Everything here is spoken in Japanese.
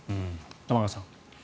玉川さん。